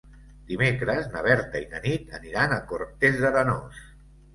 Dimecres na Berta i na Nit aniran a Cortes d'Arenós.